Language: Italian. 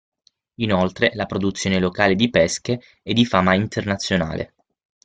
Inoltre la produzione locale di pesche è di fama internazionale.